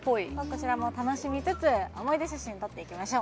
こちらも楽しみつつ思い出写真撮っていきましょう